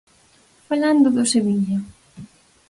Falando do Sevilla.